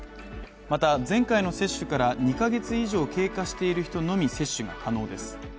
また前回の接種から２カ月以上経過している人のみ接種が可能です。